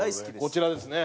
こちらですね。